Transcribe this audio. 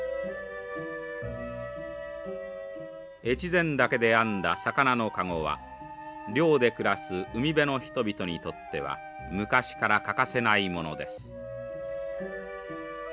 越前竹で編んだ魚のカゴは漁で暮らす海辺の人々にとっては昔から欠かせないものです。